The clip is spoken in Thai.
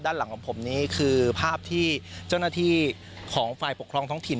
ด้านหลังของผมนี้คือภาพที่เจ้าหน้าที่ของฝ่ายปกครองท้องถิ่น